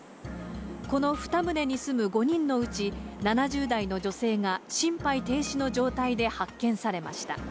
この２棟に住む５人のうち７０代の女性が心肺停止の状態で発見されました。